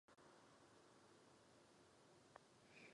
Generál chtěl zavést státní sociální péči pro všechny občany.